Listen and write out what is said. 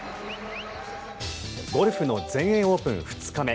ゴルフの全英オープン２日目。